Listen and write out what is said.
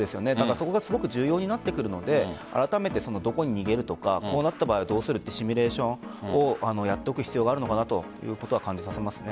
そこがすごく重要になってくるのであらためて、どこに逃げるとかこうなった場合はどうするというシミュレーションをやっておく必要があるのかなというのを感じさせますね。